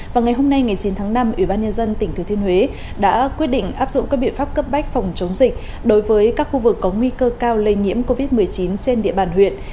và ngày hôm nay ngày chín tháng năm ủy ban nhân dân tỉnh thứ thiên huế đã quyết định áp dụng các biện pháp cấp bách phòng chống dịch đối với các khu vực có nguy cơ cao lây nhiễm covid một mươi chín trên địa bàn huyện